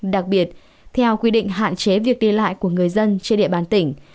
đặc biệt theo quy định hạn chế việc đi lại của người dân trên địa bàn tỉnh